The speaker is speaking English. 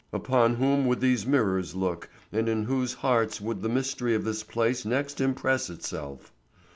Upon whom would these mirrors look and in whose hearts would the mystery of this place next impress itself?